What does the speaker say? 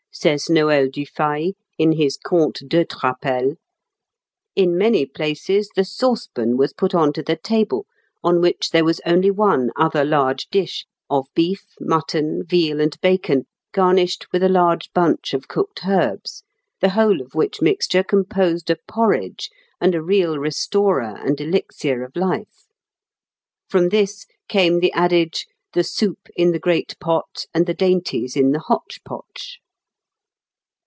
says Noël du Fail, in his "Contes d'Eutrapel," "in many places the saucepan was put on to the table, on which there was only one other large dish, of beef, mutton, veal, and bacon, garnished with a large bunch of cooked herbs, the whole of which mixture composed a porridge, and a real restorer and elixir of life. From this came the adage, 'The soup in the great pot and the dainties in the hotch potch.'"